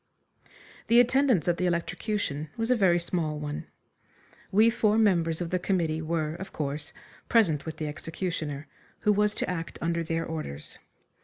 The attendance at the electrocution was a very small one. We four members of the committee were, of course, present with the executioner, who was to act under their orders.